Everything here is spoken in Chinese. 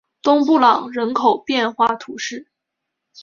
东布朗人口变化图示